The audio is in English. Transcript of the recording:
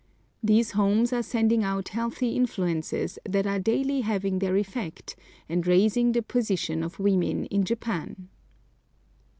These homes are sending out healthy influences that are daily having their effect, and raising the position of women in Japan.